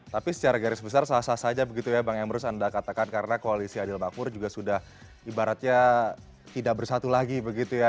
tapi secara garis besar sah sah saja begitu ya bang emrus anda katakan karena koalisi adil bakur juga sudah ibaratnya tidak bersatu lagi begitu ya